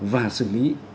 và xử lý